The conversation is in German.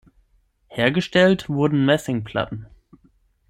Hergestellt wurden Messingplatten.